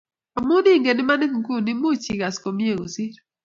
Amu ingen imanit nguni much ikas komie kosir